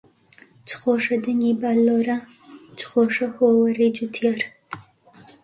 چ خۆشە دەنگی باللۆرە، چ خۆشە هۆوەرەی جوتیار